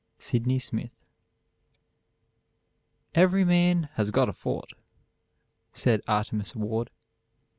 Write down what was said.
SYDNEY SMITH. "Every man has got a Fort," said Artemus Ward.